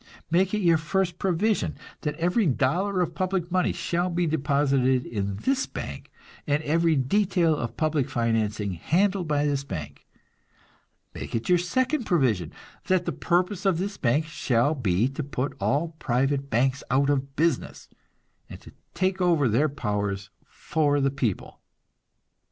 Make it your first provision that every dollar of public money shall be deposited in this bank and every detail of public financing handled by this bank; make it your second provision that the purpose of this bank shall be to put all private banks out of business, and take over their power for the people.